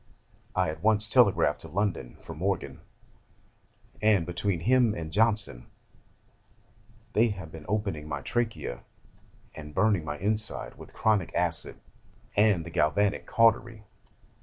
I at once telegraphed to London for Morgan, and, between him and Johnson, they have been opening my trachea, and burning my inside with chromic acid and the galvanic cautery.